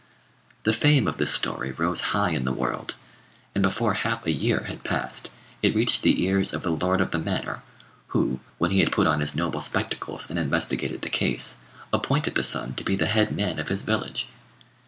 The fame of this story rose high in the world; and, before half a year had passed, it reached the ears of the lord of the manor, who, when he had put on his noble spectacles and investigated the case, appointed the son to be the head man of his village.